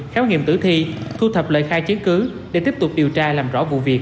khám nghiệm tử thi thu thập lời khai chiến cứ để tiếp tục điều tra làm rõ vụ việc